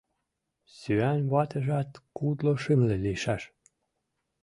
Сӱанватыжат кудло-шымле лийшаш.